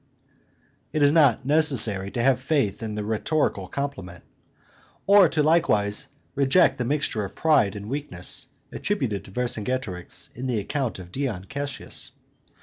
It is not necessary to have faith in the rhetorical compliment, or to likewise reject the mixture of pride and weakness attributed to Vercingetorix in the account of Dion Cassius.